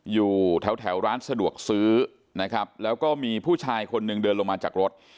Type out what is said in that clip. อยู่แถวร้านสะดวกซื้อนะครับแล้วก็มีผู้ชายคนหนึ่งเดินลงมาจากรถ